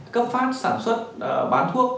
cấp phát sản xuất bán thuốc